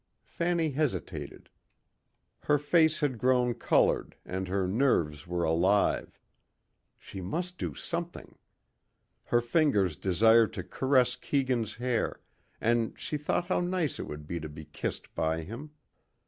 Fanny hesitated. Her face had grown colored and her nerves were alive. She must do something. Her fingers desired to caress Keegan's hair and she thought how nice it would be to be kissed by him.